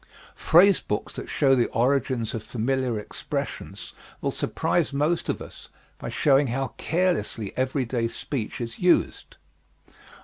Phrase books that show the origins of familiar expressions will surprise most of us by showing how carelessly everyday speech is used.